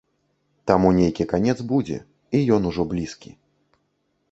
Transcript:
Таму нейкі канец будзе і ён ужо блізкі.